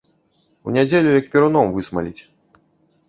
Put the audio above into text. У нядзелю, як перуном высмаліць.